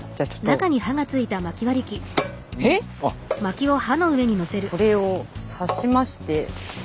これを刺しまして。